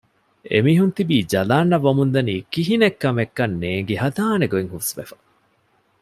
އެމީހުން ތިބީ ޖަލާނަށް ވަމުންދަނީ ކިހިނެއް ކަމެއްކަން ނޭންގި ހަދާނެ ގޮތް ހުސްވެފަ